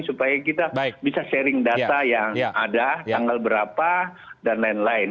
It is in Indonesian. supaya kita bisa sharing data yang ada tanggal berapa dan lain lain